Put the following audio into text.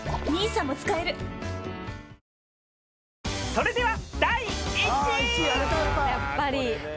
それでは。